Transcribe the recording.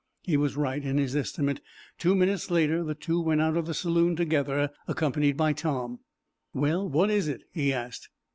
He was right in his estimate. Two minutes later the two went out of the saloon together, accompanied by Tom. "Well, what is it?" he asked.